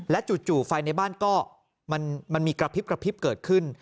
และจู่ไฟในบ้านก็มันมีกระพริบเกิดขึ้น